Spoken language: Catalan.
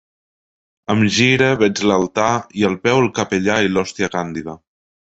Em gire, veig l’altar, i al peu el capellà i l’hòstia càndida.